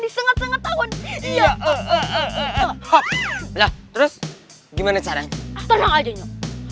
iya terus gimana caranya tenang aja